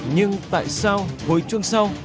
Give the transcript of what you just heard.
nhưng tại sao hồi chuông sau